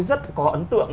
rất có ấn tượng